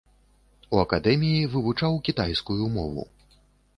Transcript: У акадэміі вывучаў кітайскую мову.